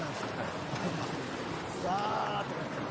何かうわ！となってたら。